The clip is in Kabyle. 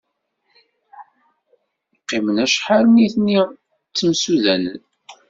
Qqimen acḥal nitni ttemsudanen.